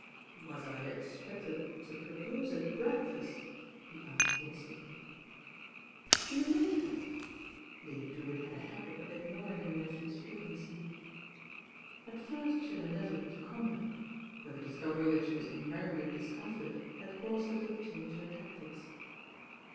"Was I expected to propose at breakfast?" he asked innocently. "Do you like her?" Lady Drewitt had a habit of ignoring her nephew's flippancy. At first she had endeavoured to combat it; but the discovery that she was invariably discomfited had caused her to change her tactics.